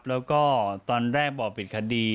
แล้วก็ตอนแรกบอกปิดคดี